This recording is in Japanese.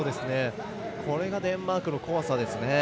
これがデンマークの怖さですね。